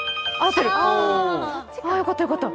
あ、よかったよかった。